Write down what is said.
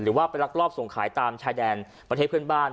หรือว่าไปรักรอบส่งขายตามชายแดนประเทศเพื่อนบ้าน